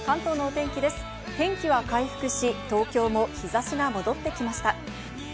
天気は回復し、東京も日差しが戻ってきました。